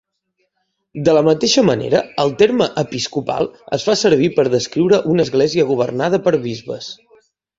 De la mateixa manera, el terme "episcopal" es fa servir per descriure una església governada per bisbes.